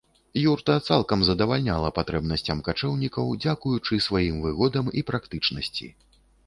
Юрта цалкам задавальняла патрэбнасцям качэўнікаў дзякуючы сваім выгодам і практычнасці.